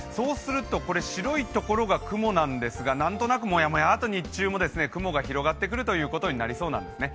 白いところが雲なんですが何となくもやもやと日中も雲が広がってくるということになりそうなんですね。